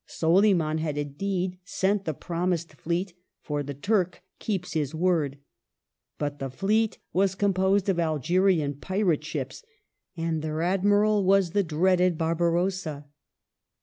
Soliman had indeed sent the promised fleet, for the Turk keeps his word ; but the fleet was composed of Algerian pirate ships, and their admiral was the dreaded Barbarossa.